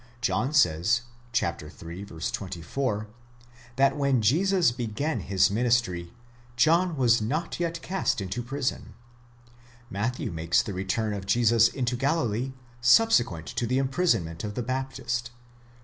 John says (ili. 24) that when Jesus began his ministry, John was not yet cast into prison; Matthew makes the return of Jesus into Galilee subsequent to the imprisonment of the Baptist (iv.